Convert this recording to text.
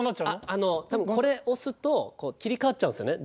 あの多分これ押すと切り替わっちゃうんですよね